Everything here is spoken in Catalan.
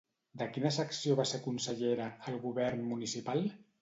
De quina secció va ser consellera, al govern municipal?